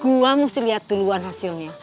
gua mesti lihat duluan hasilnya